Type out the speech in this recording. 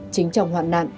chính trong hoạn nạn